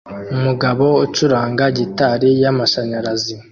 Umugabo ucuranga gitari y'amashanyarazi